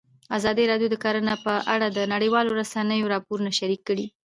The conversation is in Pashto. ازادي راډیو د کرهنه په اړه د نړیوالو رسنیو راپورونه شریک کړي.